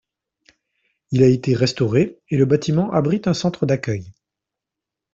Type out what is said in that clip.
Il a été restauré et le bâtiment abrite un centre d'accueil.